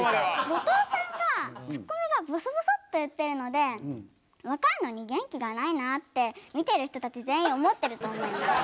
後藤さんがツッコミがぼそぼそって言ってるので若いのに元気がないなって見てる人たち全員思ってると思います。